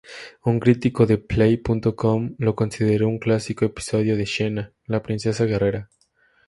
Un crítico de Play.com lo consideró un clásico episodio de "Xena: la princesa guerrera".